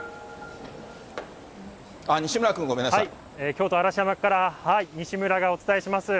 西村君、京都・嵐山から西村がお伝えします。